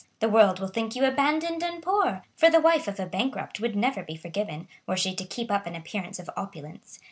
The world will think you abandoned and poor, for the wife of a bankrupt would never be forgiven, were she to keep up an appearance of opulence.